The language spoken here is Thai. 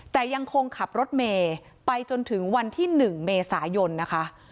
แต่ยังคงขับรถเมย์ไปจนถึงวันที่๑เมษายนนะคะ